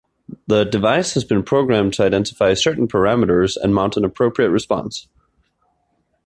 The device has been programmed to identify certain parameters and mount an appropriate response.